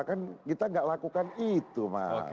kan kita tidak lakukan itu mas